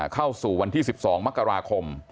เข้าสู่วันที่๑๒มกราคม